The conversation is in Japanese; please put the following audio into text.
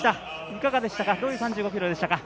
いかがでしたか？